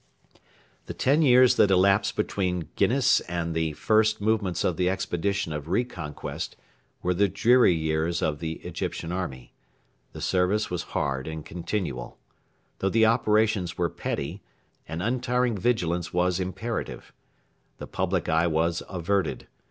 The ten years that elapsed between Ginniss and the first movements of the expedition of re conquest were the dreary years of the Egyptian army. The service was hard and continual. Though the operations were petty, an untiring vigilance was imperative. The public eye was averted.